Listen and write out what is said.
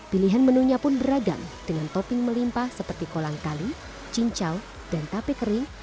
pilihan menunya pun beragam dengan topping melimpah seperti kolang kali cincau dan tape kering